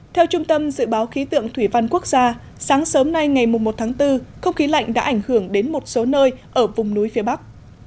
theo trung tâm dự báo khí tượng thủy văn quốc gia sáng sớm nay ngày một tháng bốn không khí lạnh đã ảnh hưởng đến một số nơi ở vùng núi phía bắc